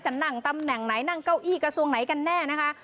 นั่งตำแหน่งไหนนั่งเก้าอี้กระทรวงไหนกันแน่นะคะ